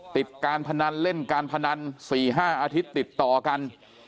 ติดการพนันเล่นการพนัน๔๕อาทิตย์ติดต่อกัน